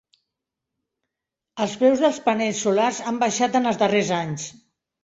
Els preus dels panells solars han baixat en els darrers anys.